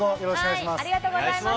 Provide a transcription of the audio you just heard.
ありがとうございます。